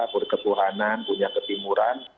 berkepuhanan punya ketimuran